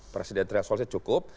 presiden triasolnya cukup